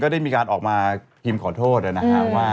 ก็ได้มีการออกมาทริปขอโทษอะนะคะ